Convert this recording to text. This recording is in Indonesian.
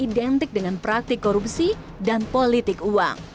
identik dengan praktik korupsi dan politik uang